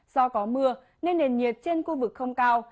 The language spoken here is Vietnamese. do có mưa nên nền nhiệt trên khu vực không cao